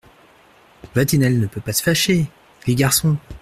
Vatinelle ne peut pas se fâcher… il est garçon !…